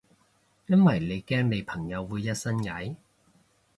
因為你驚你朋友會一身蟻？